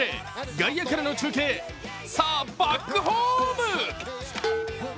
外野からの中継、さぁ、バックホーム！